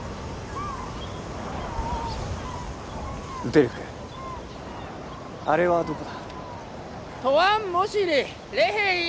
ウテルクあれはどこだ？